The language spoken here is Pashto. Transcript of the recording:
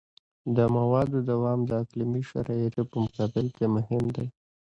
د موادو دوام د اقلیمي شرایطو په مقابل کې مهم دی